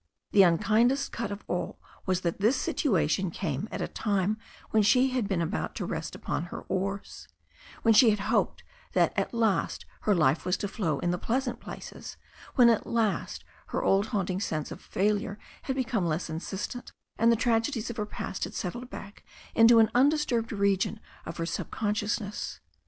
The unkindest cut of all was that this situation came at a time when she had been about to rest upon her oars, when she had hoped that at last her life was to flow in the pleasant places, when at last her old haunting sense of fail ure had become less insistent, and the tragedies of her past had settled back into an undisturbed region of her sub con sciousness.